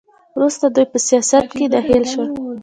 وروسته دوی په سیاست کې دخیل شول.